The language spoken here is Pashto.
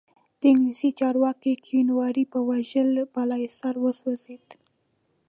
د انګلیسي چارواکي کیوناري په وژلو بالاحصار وسوځېد.